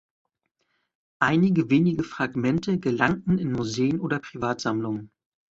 Einige wenige Fragmente gelangten in Museen oder Privatsammlungen.